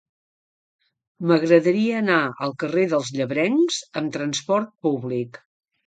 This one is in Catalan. M'agradaria anar al carrer dels Llebrencs amb trasport públic.